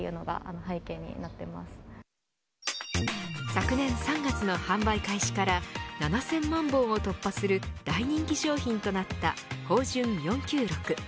昨年３月の販売開始から７０００万本を突破する大人気商品となった豊潤４９６。